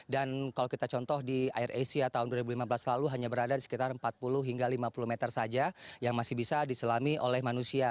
dan kalau kita contoh di air asia tahun dua ribu lima belas lalu hanya berada di sekitar empat puluh hingga lima puluh meter saja yang masih bisa diselami oleh manusia